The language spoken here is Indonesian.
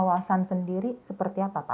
kawasan sendiri seperti apa pak